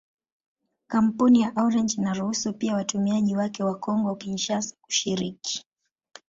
Kampuni ya Orange inaruhusu pia watumiaji wake wa Kongo-Kinshasa kushiriki.